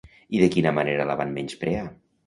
De quina manera la van menysprear?